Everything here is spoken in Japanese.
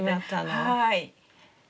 はい。